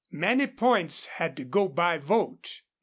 Many points had to go by vote.